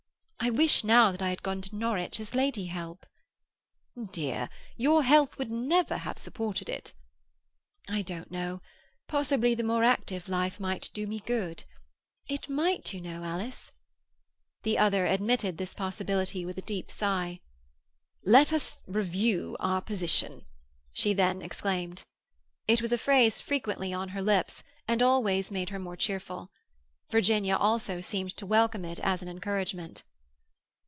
"I wish now that I had gone to Norwich as lady help." "Dear, your health would never have supported it." "I don't know. Possibly the more active life might do me good. It might, you know, Alice." The other admitted this possibility with a deep sigh. "Let us review our position," she then exclaimed. It was a phrase frequently on her lips, and always made her more cheerful. Virginia also seemed to welcome it as an encouragement.